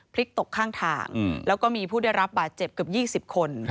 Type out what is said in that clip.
พลิกตกข้างทางแล้วก็มีผู้ได้รับบาดเจ็บเกือบ๒๐คน